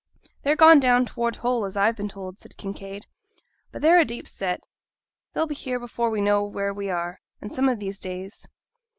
'They're gone down towards Hull, as I've been told,' said Kinraid. 'But they're a deep set, they'll be here before we know where we are, some of these days.'